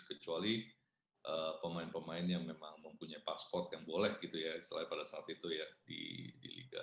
kecuali pemain pemain yang memang mempunyai pasport yang boleh gitu ya istilahnya pada saat itu ya di liga